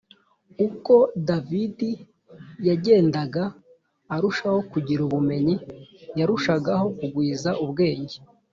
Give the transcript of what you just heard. uko david yagendaga arushaho kugira ubumenyi yarushagaho kugwiza ubwenge